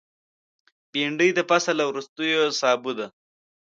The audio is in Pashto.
بېنډۍ د فصل له وروستیو سابو ده